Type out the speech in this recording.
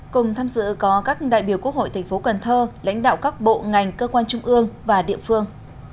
cùng tham dự có các đại biểu quốc hội thành phố cần thơ lãnh đạo các bộ ngành cơ quan trung ương và địa phương